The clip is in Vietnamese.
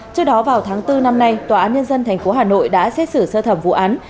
trước đó vào tháng bốn năm nay tòa án nhân dân tp hà nội đã xét xử sơ thẩm vụ án